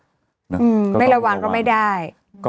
ไม่ระวังก็ไม่ได้